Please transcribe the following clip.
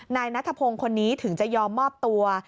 นายนัทพงศ์คนนี้ถึงจะยอมมอบตัว